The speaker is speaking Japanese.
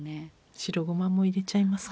白ごまも入れちゃいますか。